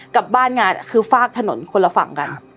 กับบ้านงานคือฝากถนนคนละฝั่งกัน